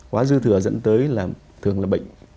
quá dư thừa dẫn tới là thường là bệnh